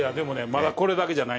まだこれだけじゃないです。